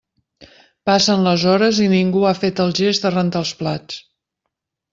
Passen les hores i ningú ha fet el gest de rentar els plats.